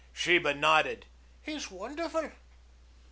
Sheba nodded. "He's wonderful."